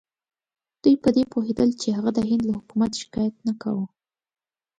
دوی په دې پوهېدل چې هغه د هند له حکومت شکایت نه کاوه.